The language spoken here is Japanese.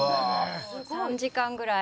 ３時間ぐらい。